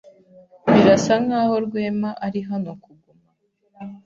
Birasa nkaho Rwema ari hano kuguma.